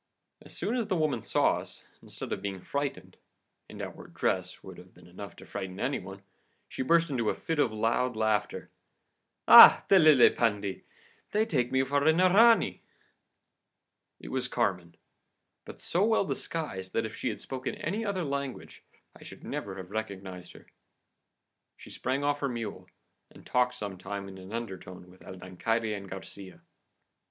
As soon as the woman saw us, instead of being frightened and our dress would have been enough to frighten any one she burst into a fit of loud laughter. 'Ah! the lillipendi! They take me for an erani!' "The idiots, they take me for a smart lady!" "It was Carmen, but so well disguised that if she had spoken any other language I should never have recognised her. She sprang off her mule, and talked some time in an undertone with El Dancaire and Garcia.